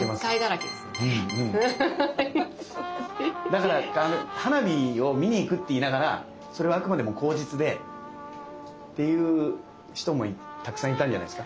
だから「花火を見に行く」って言いながらそれはあくまでも口実でっていう人もたくさんいたんじゃないですか。